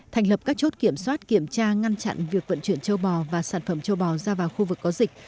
thành lập các chốt kiểm soát kiểm tra ngăn chặn việc vận chuyển châu bò và sản phẩm châu bò ra vào khu vực có dịch